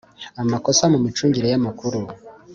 amakosa mu micungire y amakuru